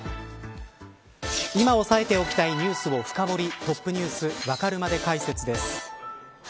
今押さえておきたいニュースを深堀りＴｏｐｎｅｗｓわかるまで解説です。